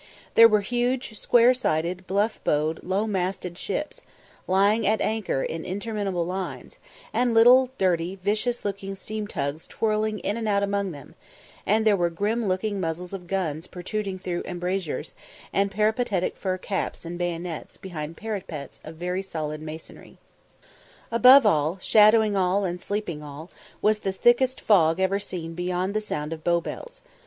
There were huge, square sided, bluff bowed, low masted ships, lying at anchor in interminable lines, and little, dirty, vicious looking steam tugs twirling in and out among them; and there were grim looking muzzles of guns protruding through embrasures, and peripatetic fur caps and bayonets behind parapets of very solid masonry. Above all, shadowing all, and steeping all, was the thickest fog ever seen beyond the sound of Bow bells.